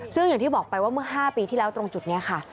ซึ่งอย่างที่บอกไปว่าเมื่อ๕ปีที่แล้วตรงจุดนี้ค่ะ